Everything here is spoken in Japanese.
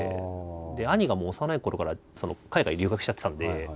兄がもう幼いころから海外へ留学しちゃってたんで。